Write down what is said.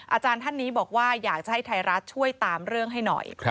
อาจารย์ท่านนี้บอกว่าอยากจะให้ไทยรัฐช่วยตามเรื่องให้หน่อย